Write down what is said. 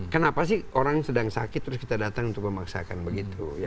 kenapa sih orang sedang sakit terus kita datang untuk memaksakan begitu